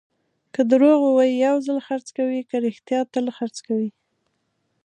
که دروغ ووایې، یو ځل خرڅ کوې؛ که رښتیا، تل خرڅ کوې.